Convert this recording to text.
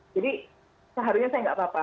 seharusnya saya nggak apa apa